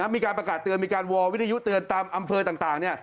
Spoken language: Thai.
มีการประกาศเตือนมีการวอลวิทยุเตือนตามอำเภอต่าง